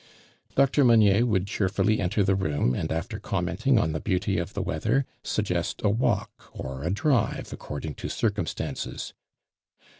Dr. Meunier would cheerfully enter the room and after commenting on the beauty of the weather, suggest a walk or a drive, according to circumstances.